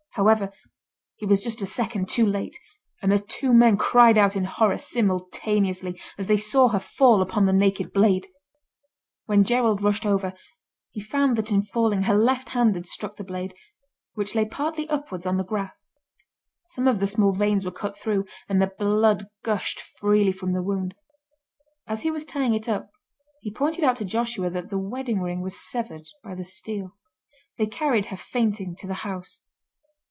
However, he was just a second too late, and the two men cried out in horror simultaneously as they saw her fall upon the naked blade. When Gerald rushed over he found that in falling her left hand had struck the blade, which lay partly upwards on the grass. Some of the small veins were cut through, and the blood gushed freely from the wound. As he was tying it up he pointed out to Joshua that the wedding ring was severed by the steel. They carried her fainting to the house.